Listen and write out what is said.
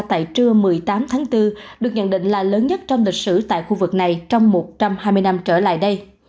tại trưa một mươi tám tháng bốn được nhận định là lớn nhất trong lịch sử tại khu vực này trong một trăm hai mươi năm trở lại đây